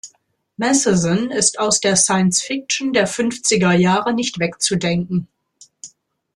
Matheson ist aus der Science-Fiction der fünfziger Jahre nicht wegzudenken.